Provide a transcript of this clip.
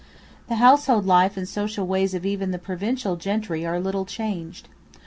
The household life and social ways of even the provincial gentry are little changed.